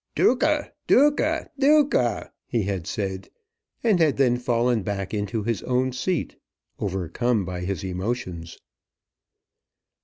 "Duca, Duca, Duca!" he had said, and had then fallen back into his own seat overcome by his emotions.